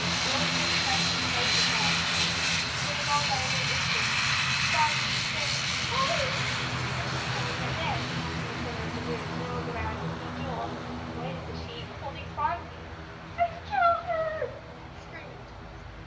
Joel turned sharply, knife in hand. It was all done in an instant. Phronsie exclaimed, "Oh!" in such a tone that Ben, off in the corner of the room, whirled around, to see Joel, white as a sheet, holding Phronsie. "I've killed her," he screamed.